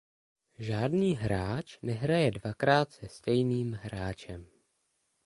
Žádný hráč nehraje dvakrát se stejným hráčem.